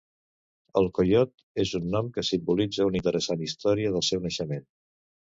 El "Coiot" és un nom que simbolitza una interessant història del seu naixement.